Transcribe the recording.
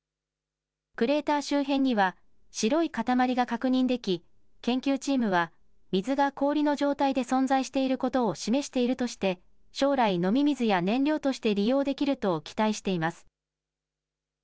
クレーター周辺には白いかたまりが確認でき研究チームは水が氷の状態で存在していることを示しているとして将来、飲み水や燃料として利用できると期待しています。